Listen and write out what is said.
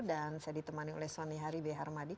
dan saya ditemani oleh soni hari beyharmadi